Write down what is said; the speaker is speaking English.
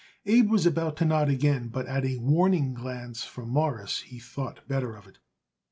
Abe was about to nod again, but at a warning glance from Morris he thought better of it.